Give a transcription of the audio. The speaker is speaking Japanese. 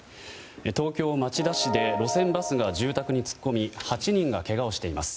東京・町田市で路線バスが住宅に突っ込み８人がけがをしています。